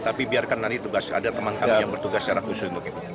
tapi biarkan nanti ada teman kami yang bertugas secara khusus